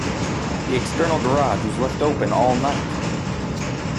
The external garage was left open all night.